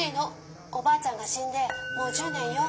おばあちゃんがしんでもう１０年よ。